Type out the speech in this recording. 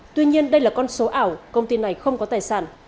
tuy nhiên đây là con số ảo công ty này không có tài sản